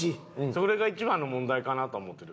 それが一番の問題かなとは思ってる。